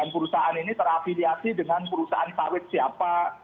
perusahaan ini terafiliasi dengan perusahaan sawit siapa